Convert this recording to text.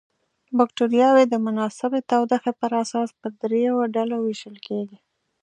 بکټریاوې د مناسبې تودوخې پر اساس په دریو ډلو ویشل کیږي.